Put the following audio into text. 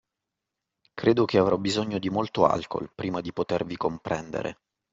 Credo che avrò bisogno di molto alcol, prima di potervi comprendere.